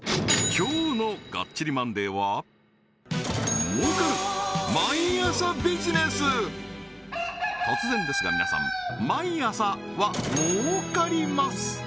今日の「がっちりマンデー！！」は突然ですが皆さん「毎朝」は儲かります！